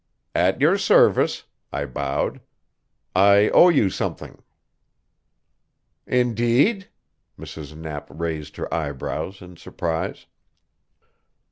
"At your service," I bowed. "I owe you something." "Indeed?" Mrs. Knapp raised her eyebrows in surprise.